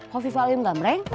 hovifah lim gamreng